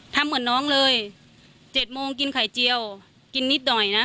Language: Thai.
ทำเหมือนน้องเลย๗โมงกินไข่เจียวกินนิดหน่อยนะ